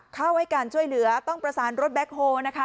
เข้าให้การช่วยเหลือต้องประสานรถแบ็คโฮลนะคะ